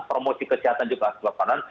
promosi kesehatan juga harus berperanan